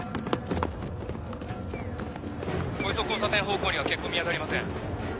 小磯交差点方向には血痕見当たりません。